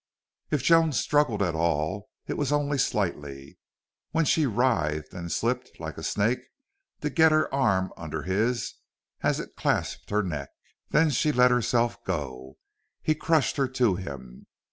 If Joan struggled at all, it was only slightly, when she writhed and slipped, like a snake, to get her arm under his as it clasped her neck. Then she let herself go. He crushed her to him.